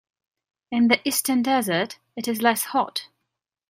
In the eastern desert, it is less hot.